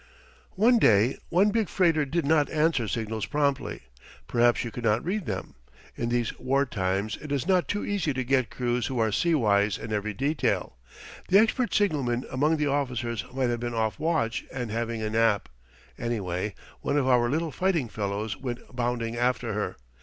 One day one big freighter did not answer signals promptly. Perhaps she could not read them. In these war times it is not too easy to get crews who are sea wise in every detail the expert signalman among the officers might have been off watch and having a nap. Anyway, one of our little fighting fellows went bounding after her.